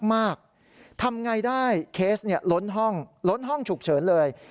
ทำอย่างไรได้เคสเนี่ยล้นห้องล้นห้องฉุกเฉินเลย